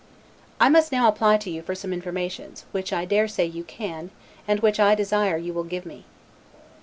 I must now apply to you for some informations, which I dare say you can, and which I desire you will give me.